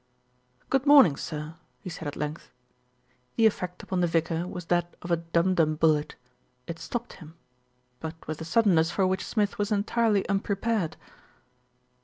"Good morning, sir," he said at length. The effect upon the vicar was that of a Dumdum bullet it stopped him; but with a suddenness for which Smith was entirely unprepared.